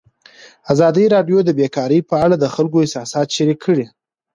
ازادي راډیو د بیکاري په اړه د خلکو احساسات شریک کړي.